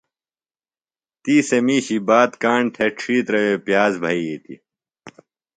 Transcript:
تی سےۡ مِیشی بات کاݨ تھےۡ ڇِھیترہ وے پِیاز بھئیتیۡ۔